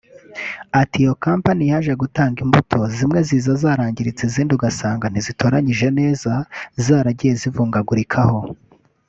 Ati “Iyo kampani yaje gutanga imbuto zimwe ziza zangiritse izindi ugasanga ntizitoranyije neza zaragiye zivungagurikaho